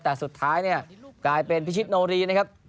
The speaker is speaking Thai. แต่สุดท้ายเนี่ยกลายเป็นพิชิตโนรีนะครับ